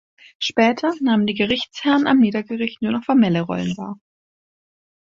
Später nahmen die Gerichtsherrn am Niedergericht nur noch formelle Rollen wahr.